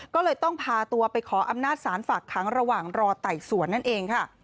ก็เลยต้องพาตัวไปขออำนาจศาลฝากขังระหว่างรอไต่สวนนั่นเองค่ะ